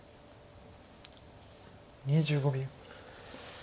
２５秒。